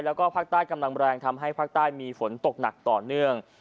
แล้วก็ภาคใต้กำลังแรงทำให้ภาคใต้มีฝนตกหนักต่อเนื่อง